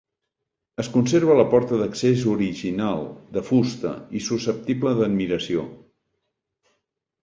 Es conserva la porta d'accés original, de fusta, i susceptible d'admiració.